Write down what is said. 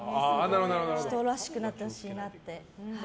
人らしくなってほしいなって。